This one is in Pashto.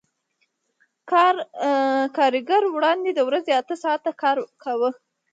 کارګر وړاندې د ورځې اته ساعته کار کاوه